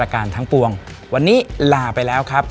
การทั้งปวงวันนี้ลาไปแล้วครับ